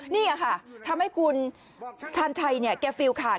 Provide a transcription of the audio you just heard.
นี่ค่ะทำให้คุณชาญชัยแกฟิลขาด